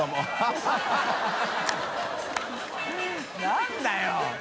何だよ！）